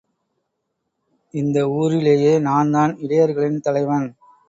இந்த ஊரிலேயே நான்தான் இடையர்களின் தலைவன்.